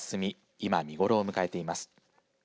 今見頃を迎えています。